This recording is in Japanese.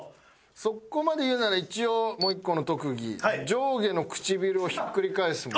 そこまで言うなら一応もう１個の特技「上下の唇をひっくり返す」も。